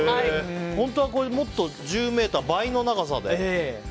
本当はもっと１０ｍ倍の長さで。